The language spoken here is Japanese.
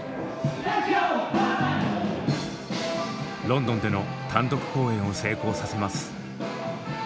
ロンドンでの単独公演を成功させます。